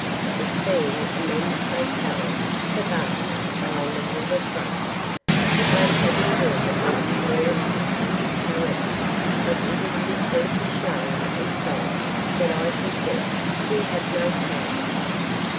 This being a men's hotel, the baths are on the river front. I am having water brought to your apartments, however, but it is with deepest shame and sorrow that I confess we have no towels."